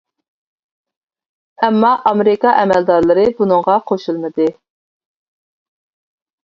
ئەمما ئامېرىكا ئەمەلدارلىرى بۇنىڭغا قوشۇلمىدى.